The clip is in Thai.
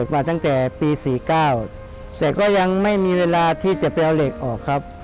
มาตั้งแต่ปี๔๙แต่ก็ยังไม่มีเวลาที่จะไปเอาเหล็กออกครับ